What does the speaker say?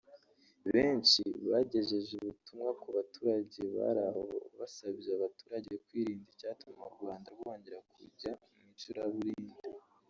Benshi bagejeje ubutumwa ku baturage bari aho basabye abaturage kwirinda icyatuma u Rwanda rwongera kujya mu icuraburindi